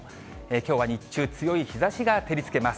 きょうは日中、強い日ざしが照りつけます。